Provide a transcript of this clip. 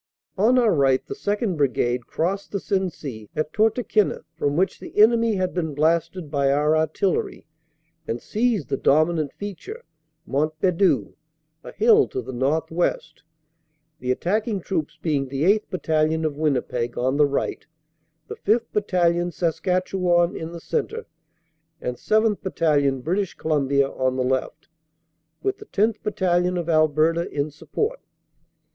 On our right, the 2nd. Brigade crossed the Sensee at Tortequenne, from which the enemy had been blasted by our artillery, and seized the dominant feature, Mont Bedu, a hill to the north west, the attacking troops being the 8th. Battalion, of Winni peg, on the right, the 5th. Battalion, Saskatchewan, in the cen tre, and 7th. Battalion, British Columbia, on the left, with the 10th. Battalion, of Alberta, in support.